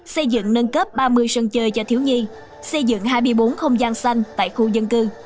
xây dựng nâng cấp ba mươi sân chơi cho thiếu nhi xây dựng hai mươi bốn không gian xanh tại khu dân cư